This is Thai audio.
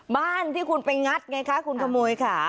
บ้านที่คุณไปงัดไงคะคุณขโมยขา